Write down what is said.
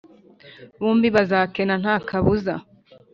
bombi bazakena nta kabuza